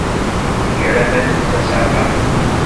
Iger aman n tasa aṛqaqen.